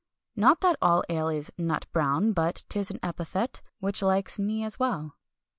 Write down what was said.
Not that all ale is "nut brown," but 'tis an epithet which likes me well.